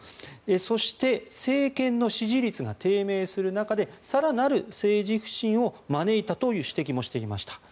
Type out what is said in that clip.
そして政権の支持率が低迷する中で更なる政治不信を招いたという指摘もしていました。